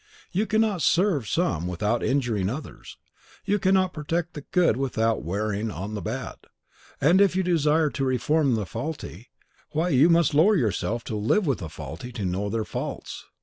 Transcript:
You cannot serve some without injuring others; you cannot protect the good without warring on the bad; and if you desire to reform the faulty, why, you must lower yourself to live with the faulty to know their faults.